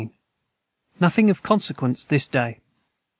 Nothing of consiquence this day.